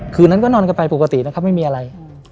คืนนั้นก็นอนกันไปปกตินะครับไม่มีอะไร